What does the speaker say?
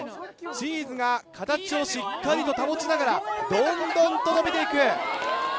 チーズが形をしっかりと保ちながらどんどんと伸びて行く。